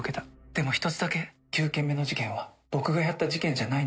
でも１つだけ９件目の事件は僕がやった事件じゃないんだ。